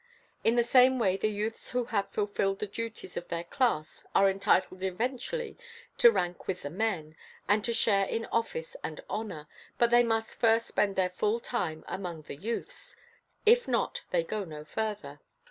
In the same way the youths who have fulfilled the duties of their class are entitled eventually to rank with the men, and to share in office and honour: but they must first spend their full time among the youths; if not, they go no further.